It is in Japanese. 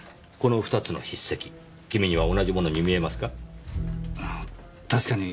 この２つの筆跡君には同じものに見えますか？